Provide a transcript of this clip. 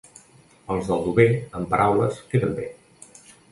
Els d'Aldover, amb paraules queden bé.